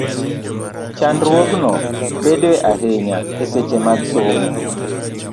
Chandruogno bedoe ahinya e seche mag somo,